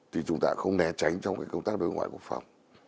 thì chúng ta không né tránh trong cái công tác đối ngoại quốc phòng